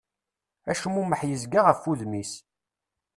Acmumeḥ yezga ɣef wudem-is.